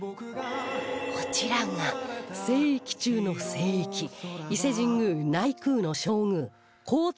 こちらが聖域中の聖域伊勢神宮内宮の正宮皇大神宮